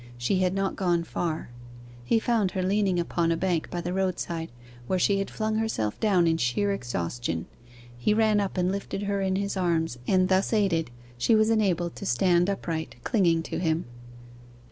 She had not gone far. He found her leaning upon a bank by the roadside, where she had flung herself down in sheer exhaustion. He ran up and lifted her in his arms, and thus aided she was enabled to stand upright clinging to him.